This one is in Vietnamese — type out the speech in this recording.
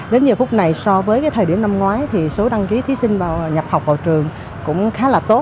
đến giờ phút này so với thời điểm năm ngoái thì số đăng ký thí sinh vào nhập học vào trường cũng khá là tốt